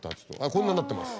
こんなんなってます。